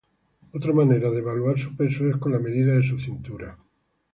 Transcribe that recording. Otra manera de evaluar su peso es con la medida de su cintura